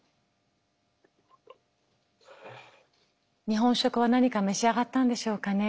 日本食は何か召し上がったんでしょうかね。